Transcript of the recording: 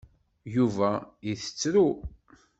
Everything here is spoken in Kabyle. Yuba itettru.